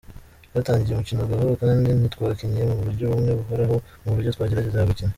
"Twatangiye umukino gahoro kandi ntitwakinnye mu buryo bumwe buhoraho mu buryo twageragezaga gukina.